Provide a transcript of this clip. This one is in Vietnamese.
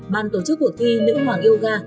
ban tổ chức cuộc thi nữ hoàng yoga